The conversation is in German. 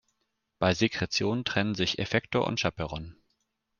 Bei Sekretion trennen sich Effektor und Chaperon.